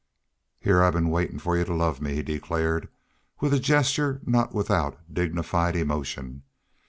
"Heah I've been waitin' for y'u to love me," he declared, with a gesture not without dignified emotion.